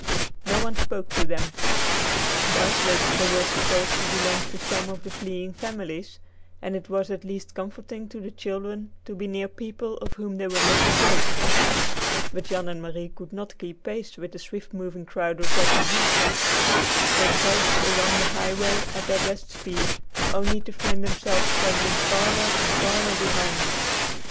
No one spoke to them. Doubtless they were supposed to belong to some one of the fleeing families, and it was at least comforting to the children to be near people of whom they were not afraid. But Jan and Marie could not keep pace with the swift moving crowd of refugees. They trudged along the highway at their best speed, only to find themselves straggling farther and farther behind.